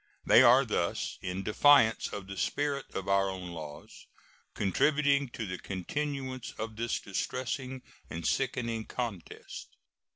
They are thus, in defiance of the spirit of our own laws, contributing to the continuance of this distressing and sickening contest.